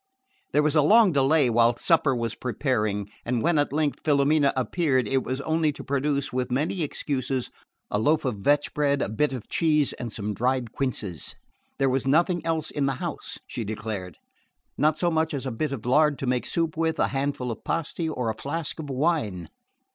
There was a long delay while supper was preparing, and when at length Filomena appeared, it was only to produce, with many excuses, a loaf of vetch bread, a bit of cheese and some dried quinces. There was nothing else in the house, she declared: not so much as a bit of lard to make soup with, a handful of pasti or a flask of wine.